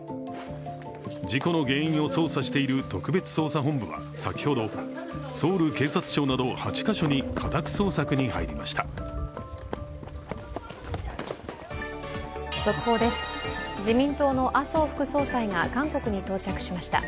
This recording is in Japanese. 事故の原因を捜査している特別捜査本部は先ほど、ソウル警察庁など８か所に家宅捜索に入りました。